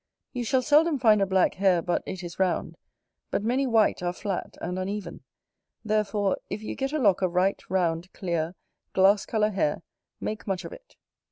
You shall seldom find a black hair but it is round, but many white are flat and uneven; therefore, if you get a lock of right, round, clear, glass colour hair, make much of it.